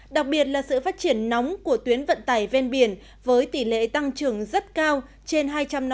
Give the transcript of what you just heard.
đặc biệt là sự phát triển nóng của tuyến vận tải ven biển với tỷ lệ tăng trưởng rất cao trên hai trăm năm mươi